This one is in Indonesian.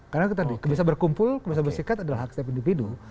karena kebebasan berkumpul kebebasan berserikat adalah hak setiap individu